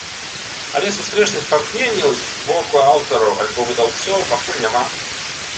Але сустрэчных памкненняў з боку аўтараў альбо выдаўцоў пакуль няма.